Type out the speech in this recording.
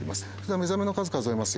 目覚めの数数えますよ